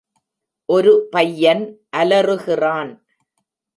ஒரு பையன் அலறுகிறான்.